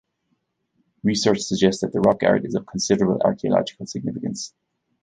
Research suggests that the rock art is of considerable archaeological significance.